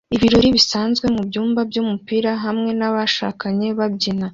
Ibirori bisanzwe mubyumba byumupira hamwe nabashakanye babyina